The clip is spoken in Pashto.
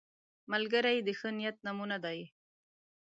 ملګری د ښه نیت نمونه ده